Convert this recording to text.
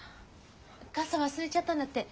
傘忘れちゃったんだって。